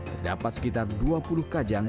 terdapat sekitar dua puluh kajang